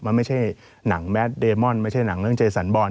มันไม่ใช่หนังแมทเดมอนไม่ใช่หนังเรื่องเจสันบอล